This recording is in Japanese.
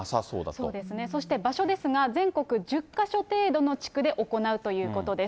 そうですね、そして場所ですが、全国１０か所程度の地区で行うということです。